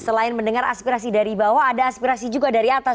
selain mendengar aspirasi dari bawah ada aspirasi juga dari atas